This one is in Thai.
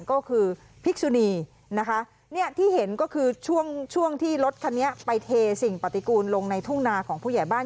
ก็คือพิกษุนีนะคะเนี่ยที่เห็นก็คือช่วงช่วงที่รถคันนี้ไปเทสิ่งปฏิกูลลงในทุ่งนาของผู้ใหญ่บ้าน